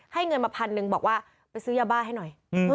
เงินมาพันหนึ่งบอกว่าไปซื้อยาบ้าให้หน่อย